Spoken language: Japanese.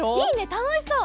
たのしそう。